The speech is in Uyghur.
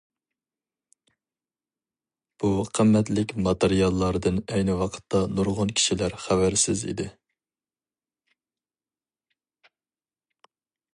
بۇ قىممەتلىك ماتېرىياللاردىن ئەينى ۋاقىتتا نۇرغۇن كىشىلەر خەۋەرسىز ئىدى.